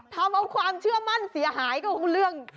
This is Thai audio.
ทำเอาความเชื่อมั่นเสียหายก็คือเรื่อง